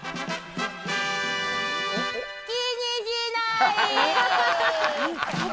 気にしない。